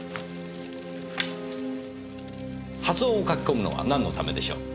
発音を書き込むのはなんのためでしょう？